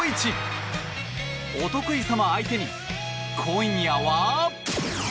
お得意様相手に今夜は。